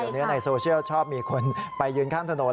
เนื้อในโซเชียลชอบมีคนไปยืนข้างถนน